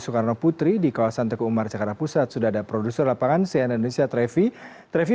soekarno putri di kawasan teku umar jakarta pusat sudah ada produser lapangan cnn indonesia trevi trevi